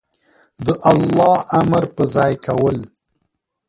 د الله امر په ځای کول